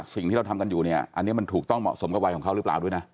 สิ่งที่เราทำกันอยู่เนี่ยอันนี้มันถูกต้องเหมาะสมกับวัยของเขาหรือเปล่าด้วยนะ